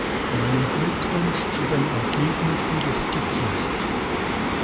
Meinen Glückwunsch zu den Ergebnissen des Gipfels.